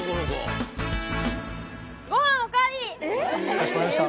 ・かしこまりました